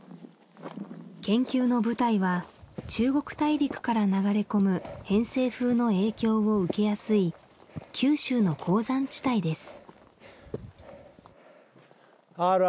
研究の舞台は中国大陸から流れ込む偏西風の影響を受けやすい九州の高山地帯ですあ